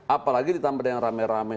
apalagi ditambahin rame rame